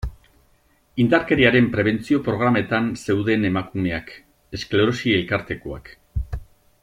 Indarkeriaren prebentzio programetan zeuden emakumeak, esklerosi elkartekoak...